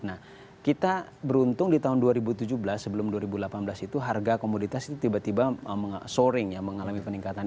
nah kita beruntung di tahun dua ribu tujuh belas sebelum dua ribu delapan belas itu harga komoditas itu tiba tiba soring ya mengalami peningkatan